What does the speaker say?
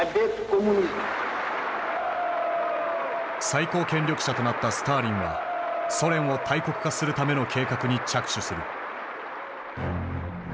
最高権力者となったスターリンはソ連を大国化するための計画に着手する。